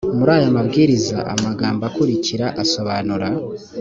muri aya mabwiriza amagambo akurikira asobanura